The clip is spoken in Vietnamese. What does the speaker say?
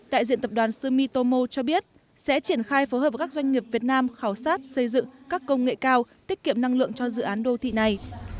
đại diện tập đoàn sumitomo cho biết sẽ triển khai phối hợp với các doanh nghiệp việt nam khảo sát xây dựng các công nghệ cao tiết kiệm năng lượng cho dự án đô thị này